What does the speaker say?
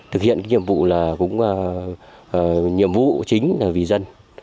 thực hiện nhiệm vụ chính là vì dân